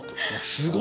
すごい！